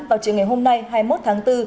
vào chiều ngày hôm nay hai mươi một tháng bốn